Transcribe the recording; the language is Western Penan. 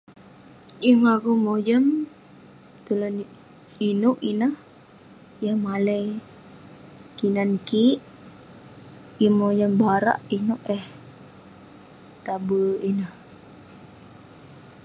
Yeng akouk mojam tulan inouk ineh yah malai kinan kik. Yeng mojam barak inouk eh taber ineh.